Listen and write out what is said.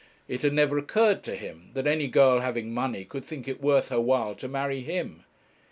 It had never occurred to him that any girl having money could think it worth her while to marry him.